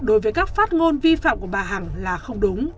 đối với các phát ngôn vi phạm của bà hằng là không đúng